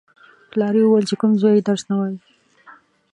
پلار یې ویل: چې کوم زوی درس نه وايي.